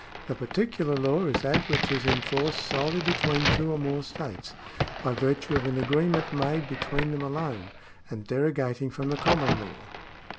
The particular law is that which is in force solely between two or more states, by virtue of an agree ment made between them alone, and derogating from the common law.